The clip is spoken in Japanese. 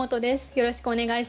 よろしくお願いします。